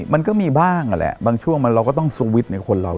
มันก็มีบ้างแหละบางช่วงมันเราก็ต้องสวิตช์ในคนเรา